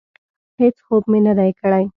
هېڅ خوب مې نه دی کړی.